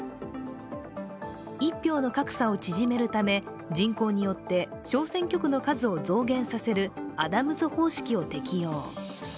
一票の格差を縮めるため、人口によって小選挙区の数を増減させるアダムズ方式を適用。